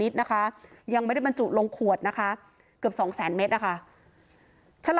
บำจุลงขวดสร้างแสนแมตต์